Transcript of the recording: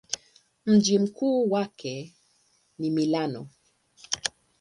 Mji mkuu wake ni Milano.